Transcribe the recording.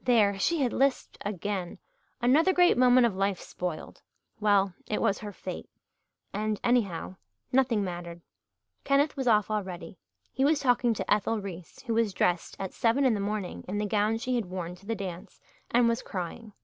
There! She had lisped again. Another great moment of life spoiled! Well, it was her fate. And anyhow, nothing mattered. Kenneth was off already he was talking to Ethel Reese, who was dressed, at seven in the morning, in the gown she had worn to the dance, and was crying.